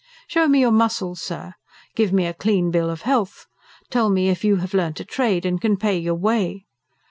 Show me your muscles, sir, give me a clean bill of health, tell me if you have learnt a trade and can pay your way.